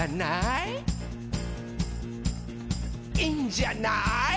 「いいんじゃない？」